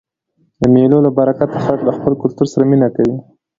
د مېلو له برکته خلک له خپل کلتور سره مینه کوي.